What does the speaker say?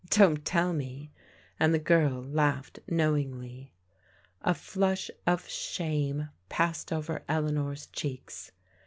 Don't tell me," and the girl laughed knowingly. A flush of shame passed over Eleanor's cheeks.